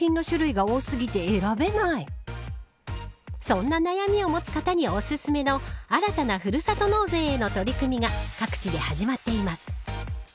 そんな悩みを持つ方におすすめの新たなふるさと納税への取り組みが各地で始まっています。